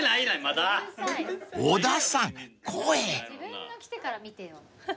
自分の来てから見てよ。